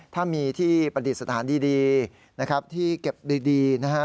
ถ้ามีที่ประดิษฐานดีนะครับที่เก็บดีนะฮะ